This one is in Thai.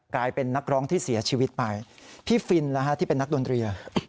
กลายเป็นนักร้องที่เสียชีวิตไปพี่ฟินที่เป็นนักดนตรี